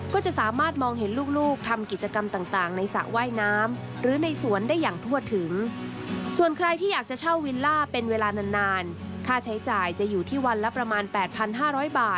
ก็จะสามารถมองเห็นลูกทำกิจกรรมต่างในสระว่ายน้ำ